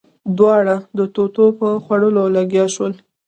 دواړه د توتو په خوړلو لګيا شول.